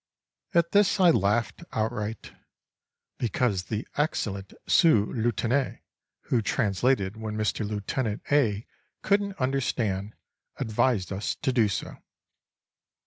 At this I laughed outright. "Because the excellent sous lieutenant who translated when Mr. Lieutenant A. couldn't understand advised us to do so."